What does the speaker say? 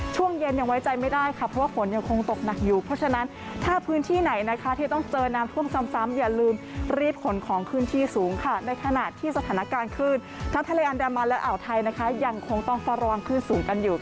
ช่วงเย็นยังไว้ใจไม่ได้ค่ะเพราะว่าฝนยังคงตกหนักอยู่